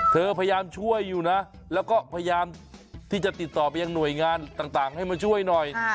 พยายามช่วยอยู่นะแล้วก็พยายามที่จะติดต่อไปยังหน่วยงานต่างให้มาช่วยหน่อย